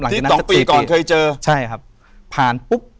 หลังจากนี้ต่อปีก่อนเคยเจอใช่ครับผ่านปุ๊บ